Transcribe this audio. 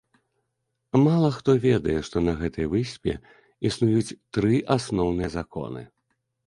Мала хто ведае, што на гэтай выспе існуюць тры асноўныя законы.